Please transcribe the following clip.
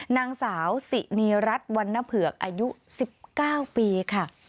นางสาวสินีรัฐวันนะเผือกอายุสิบเก้าปีค่ะ